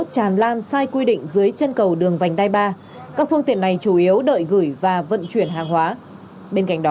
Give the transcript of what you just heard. trong ba cái quyền của cái biển số này thì vẫn có quyền chuyển nhượng